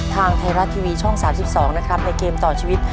ทางไทยรัฐทีวีช่อง๓๒นะครับในเกมต่อชีวิต